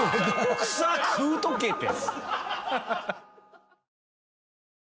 「草食うとけ」って。